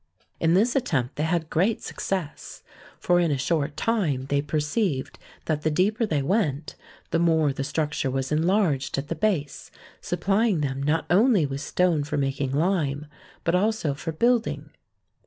In this attempt they had great success, for in a short time they perceived that the deeper they went, the more the structure was enlarged at the base, sup plying them not only with stone for making lime, but also for building.